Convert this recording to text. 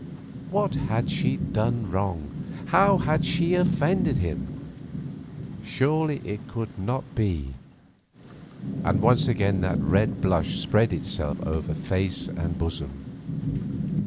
What had she done wrong, how had she offended him? Surely it could not be—and once again that red blush spread itself over face and bosom.